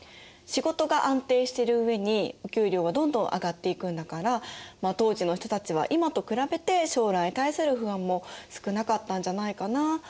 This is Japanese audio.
仕事が安定してる上にお給料はどんどん上がっていくんだから当時の人たちは今と比べて将来に対する不安も少なかったんじゃないかな？